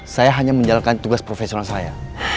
saya hanya menjalankan tugas profesional saya